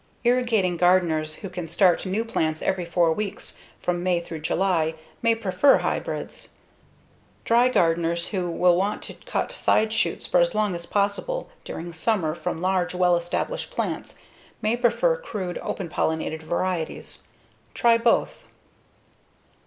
Irrigating gardeners who can start new plants every four weeks from May through July may prefer hybrids. Dry gardeners who will want to cut side shoots for as long as possible during summer from large, well established plants may prefer crude, open pollinated varieties. Try both.